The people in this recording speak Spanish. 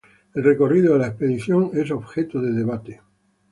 El recorrido de la expedición es objeto de debate.